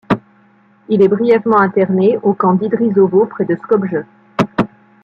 Il est brièvement interné au camp d'Idrizovo, près de Skopje.